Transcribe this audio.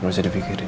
lu bisa dipikirin